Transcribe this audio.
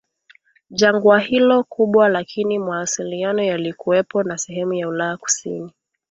jangwa hilo kubwa Lakini mawasiliano yalikuwepo na sehemu za Ulaya Kusini